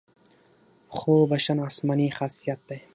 خو بښنه آسماني خاصیت دی.